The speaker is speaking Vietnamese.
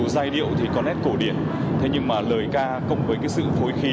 giai điệu thì có nét cổ điển thế nhưng mà lời ca cộng với cái sự phối khí